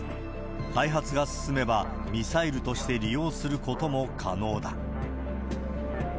開発が進めば、ミサイルとして利用することも可能だ。